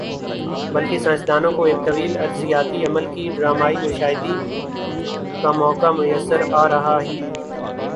بلکہ سائنس دانوں کو ایک طویل ارضیاتی عمل کی ڈرامائی مشاہدی کا موقع میسر آرہا ہی۔